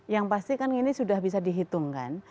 yang pasti kan ini sudah bisa dihitungkan